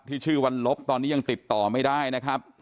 ชื่อวันลบตอนนี้ยังติดต่อไม่ได้นะครับ